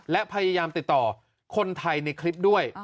และพยายามติดต่อคนไทยในคลิปด้วย